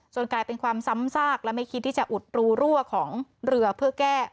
กลายเป็นความซ้ำซากและไม่คิดที่จะอุดรูรั่วของเรือเพื่อแก้